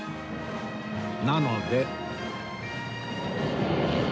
なので